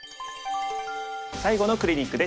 最後のクリニックです。